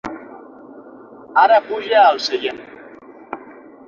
Ara puja al seient.